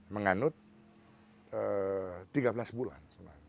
menganut tiga belas bulan